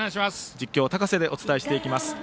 実況、高瀬でお伝えしていきます。